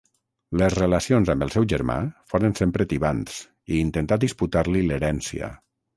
Les relacions amb el seu germà foren sempre tibants, i intentà disputar-li l'herència.